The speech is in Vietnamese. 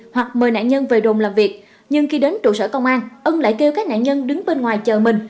hoặc mời nạn nhân về đồn làm việc nhưng khi đến trụ sở công an ông lại kêu các nạn nhân đứng bên ngoài chờ mình